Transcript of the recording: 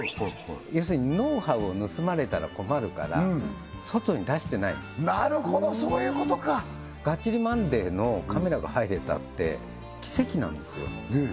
要するにノウハウを盗まれたら困るから外に出してないなるほどそういうことか「がっちりマンデー！！」のカメラが入れたって奇跡なんですよ